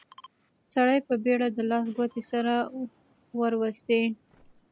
سړي په بيړه د لاس ګوتې سره وروستې.